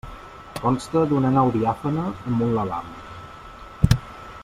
Consta d'una nau diàfana amb un lavabo.